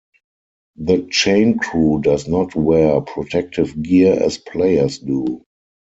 The chain crew does not wear protective gear as players do.